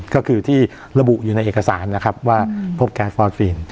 ก็คือที่ระบุอยู่ในเอกสารนะครับว่าพบแก๊สฟอสฟีน